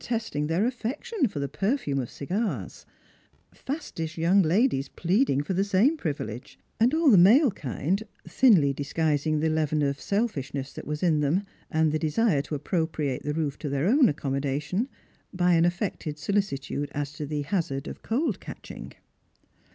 sting their aliection for the perfume of cigars ; fastish young ladies pleading for the same privilege ; and all tlie male kind thinly disguising the leaven of selfishness that waj in them, and the desire to appropriate the roof to their own accommodation, by an affected solicitude as to the hazard ol cold catching.